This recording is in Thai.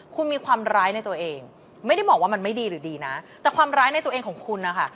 คุณมีความร้ายในตัวเองไม่ได้บอกว่ามันไม่ดีหรือดีนะแต่ความร้ายในตัวเองของคุณนะคะ